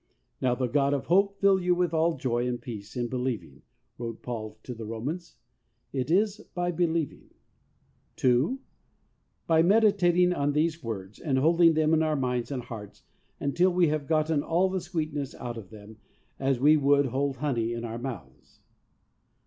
"Now the God of hope fill you with all joy and peace in believing," wrote Paul to the Romans, It is by believing. (2) By meditating on these words and holding them in our minds and hearts until we have gotten all the sweetness out of them as we would hold honey in our mouths.